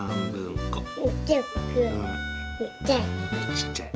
ちっちゃい。